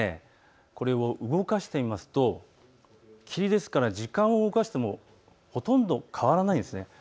これを動かしてみますと霧ですから時間を動かしてもほとんど変わらないんです。